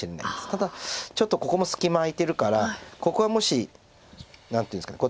ただちょっとここも隙間空いてるからここはもし何ていうんですか。